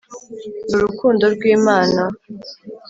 nurukundo rwimana